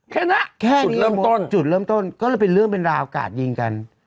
แค่นะแค่จุดเริ่มต้นจุดเริ่มต้นก็เลยเป็นเรื่องเป็นราวกาดยิงกัน